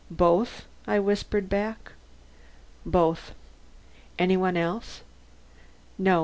"Both?" I whispered back. "Both." "Any one else?" "No.